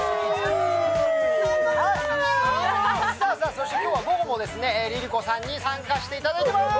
そして今日は午後もＬｉＬｉＣｏさんに参加してもらいます。